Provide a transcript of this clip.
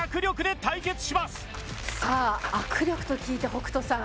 さあ握力と聞いて北斗さん。